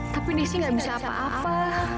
tapi desi gak bisa apa apa